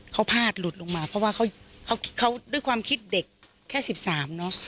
เขาพลาดหลุดลงมาเพราะว่าเขาด้วยความคิดเด็กแค่๑๓เนอะ